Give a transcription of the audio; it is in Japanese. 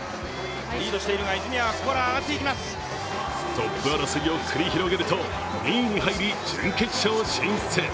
トップ争いを繰り広げると２位に入り準決勝進出。